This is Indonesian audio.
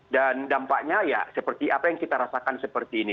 dan dampaknya ya seperti apa yang kita rasakan seperti ini